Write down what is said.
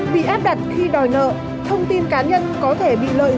bị áp đặt khi đòi nợ thông tin cá nhân có thể bị lợi dụng để chia sẻ